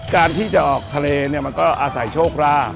การที่จะออกทะเลเนี่ยมันก็อาศัยโชคราบ